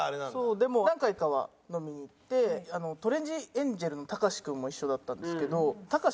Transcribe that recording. でも何回かは飲みに行ってトレンディエンジェルのたかし君も一緒だったんですけどたかし